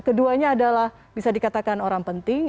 keduanya adalah bisa dikatakan orang penting